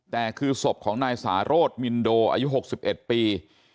แต่คือศพของนายสารสมินโดอายุ๖๑ปี